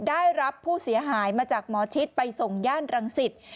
ได้รับผู้เสียหายมาจากหมอชิดไปส่งย่านรังสิต